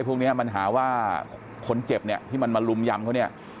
พรุ่งนี้มันหาว่าคนเจ็บนี่ที่มันมาลุมยำ